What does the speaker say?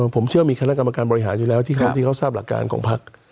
ผมเชื่อมีคณะกรรมการบริหารอยู่แล้วที่เขาทราบหลักการของพัก